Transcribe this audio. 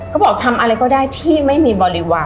ก็บอกทำอะไรก็ได้ที่ไม่มีบริวาร